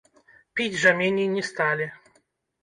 Піць жа меней не сталі.